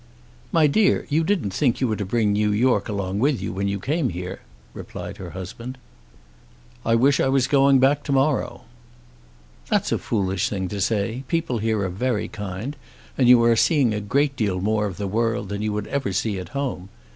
"My dear, you didn't think you were to bring New York along with you when you came here," replied her husband. "I wish I was going back to morrow." "That's a foolish thing to say. People here are very kind, and you are seeing a great deal more of the world than you would ever see at home.